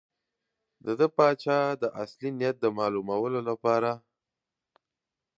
ده د پاچا د اصلي نیت د معلومولو لپاره.